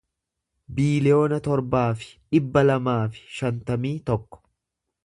biiliyoona torbaa fi dhibba lamaa fi shantamii tokko